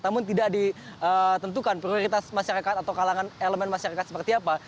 namun tidak ditentukan prioritas masyarakat atau kalangan elemen masyarakat seperti apa